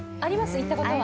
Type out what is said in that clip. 行ったことは。